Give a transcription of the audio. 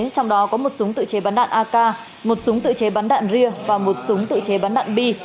trong đó có một súng tự chế bắn đạn ak một súng tự chế bắn đạn ria và một súng tự chế bắn đạn bi